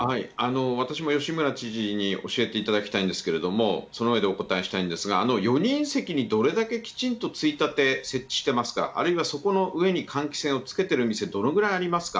私も吉村知事に教えていただきたいんですけれども、その上でお答えしたいんですが、４人席にどれだけきちんとついたて、設置してますか、あるいはそこの上に換気扇をつけている店、どのぐらいありますか。